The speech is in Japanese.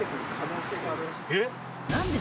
えっ。